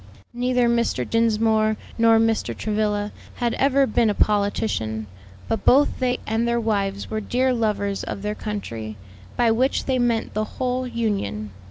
Neither Mr. Dinsmore nor Mr. Travilla had ever been a politician; but both they and their wives were dear lovers of their country, by which they meant the whole Union.